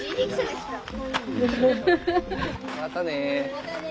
またね。